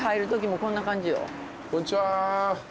こんにちは。